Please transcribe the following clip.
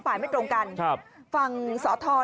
เขาอยากทำอะไรของตอนนี้